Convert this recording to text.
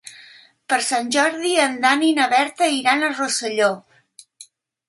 Per Sant Jordi en Dan i na Berta iran a Rosselló.